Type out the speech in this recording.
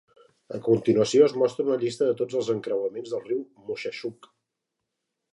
A continuació es mostra una llista de tots els encreuaments del riu Moshassuck.